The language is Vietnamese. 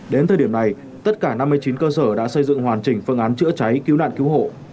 đến thời điểm này tất cả năm mươi chín cơ sở đã xây dựng hoàn chỉnh phương án chữa cháy cứu nạn cứu hộ